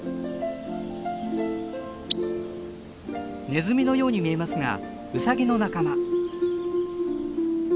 ネズミのように見えますがウサギの仲間。